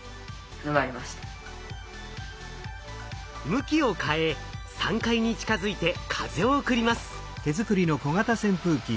向きを変え３階に近づいて風を送ります。